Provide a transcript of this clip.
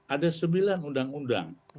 ada sembilan undang undang